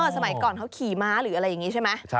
สมัยก่อนเขาขี่ม้าหรืออะไรอย่างนี้ใช่ไหม